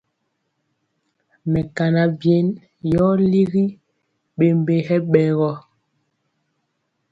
Mɛkana byen yɔ ligi ɓembe hɛ ɓɛ gɔ.